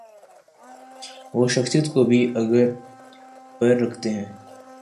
وہ شخصیات کو بھی اگر پرکھتے ہیں۔